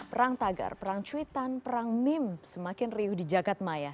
perang tagar perang cuitan perang mim semakin riuh di jagad maya